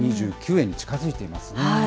１２９円に近づいていますね。